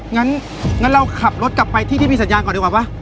งั้นเราขับรถกลับไปที่ที่มีสัญญาณก่อนดีกว่าป่ะ